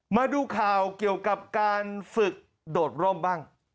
มาดูข่าวเกี่ยวกับการฝึกโดดร่มบ้าง